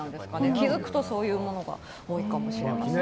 気づくとそういうものが多いかもしれません。